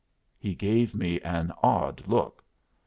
He gave me an odd look.